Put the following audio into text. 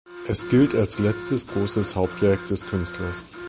Es gilt als letztes großes Hauptwerk des Künstlers.